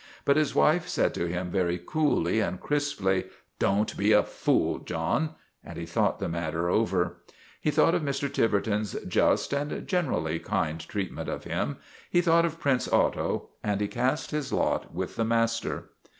But his wife said to him, very coolly and crisply, " Don't be a fool, John," and he thought the matter over. He thought of Mr. Tiverton's just and generally kindly treat ment of him, he thought of Prince Otto, and he cast his lot with the master.